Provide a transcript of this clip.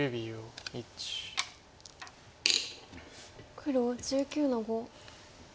黒１９の五取り。